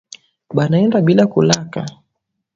Banaenda bila kulaka